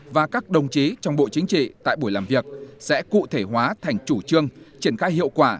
và các đồng chí trong bộ chính trị tại buổi làm việc sẽ cụ thể hóa thành chủ trương triển khai hiệu quả